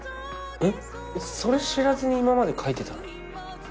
えっそれ知らずに今まで描いてたの？